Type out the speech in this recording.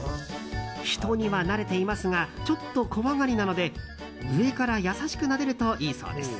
人には慣れていますがちょっと怖がりなので上から優しくなでるといいそうです。